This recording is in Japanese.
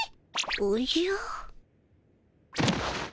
おじゃ。